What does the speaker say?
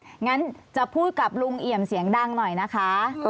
งั้นจะพูดกับลุงเอี่ยมเสียงดังหน่อยนะคะ